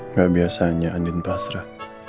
nggak biasanya andin pasrah